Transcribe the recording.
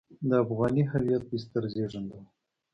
د افغاني هویت بستر زېږنده وو.